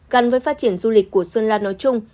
gắn với phát triển du lịch của sơn la nói chung